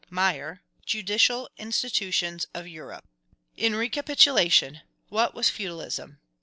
Meyer: Judicial Institutions of Europe. In recapitulation. What was feudalism?